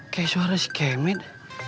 kayak suara skemit